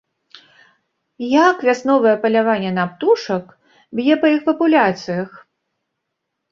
Як вясновае паляванне на птушак б'е па іх папуляцыях?